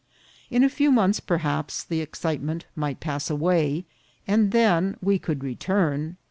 In a few months, perhaps, the excitement might pass away, and then we could re turn.